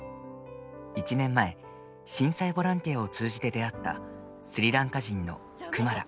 １年前、震災ボランティアを通じて出会ったスリランカ人のクマラ。